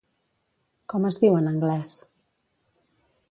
Com es diu en anglès?